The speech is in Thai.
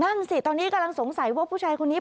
นั่นสิตอนนี้กำลังสงสัยว่าผู้ชายคนนี้